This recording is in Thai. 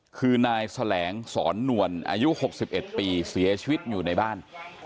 คือนายแสลงสอนนวลอายุ๖๑ปีเสียชีวิตอยู่ในบ้าน